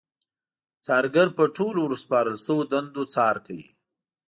څارګر په ټولو ورسپارل شويو دنده څار کوي.